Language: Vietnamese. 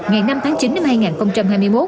ngày năm tháng chín năm hai nghìn hai mươi một